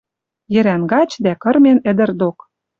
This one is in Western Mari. Йӹрӓн гач дӓ кырмен ӹдӹр док.